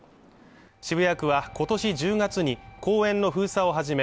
渋谷区はことし１０月に公園の封鎖を始め